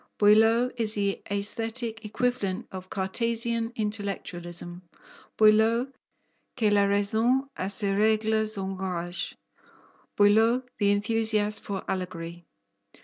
Boileau is the aesthetic equivalent of Cartesian intellectualism, Boileau que la raison à ses règles engage, Boileau the enthusiast for allegory.